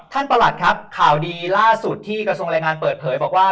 ประหลัดครับข่าวดีล่าสุดที่กระทรวงแรงงานเปิดเผยบอกว่า